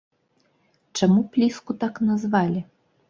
Чаму пліску так назвалі?